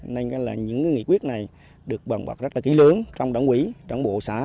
nên là những nghị quyết này được bàn bọc rất là kỹ lớn trong đảng quỷ đảng bộ xã